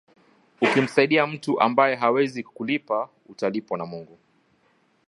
Ukimsaidia mtu ambaye hawezi kukulipa, utalipwa na Mungu.